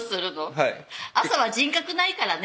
はい朝は人格ないからね